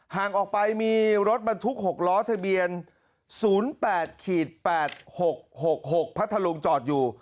ห่างออกไปมีรถบรรทุกหกล้อทะเบียนศูนย์แปดขีดแปดหกหกหกพัทธรุงจอดอยู่